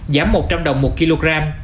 giá một trăm linh đồng một kg